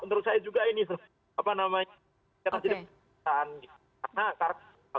menurut saya juga ini apa namanya kita jadi perusahaan